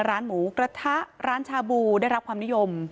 ร้านหมูกระทะร้านชาบูได้รับความนิยม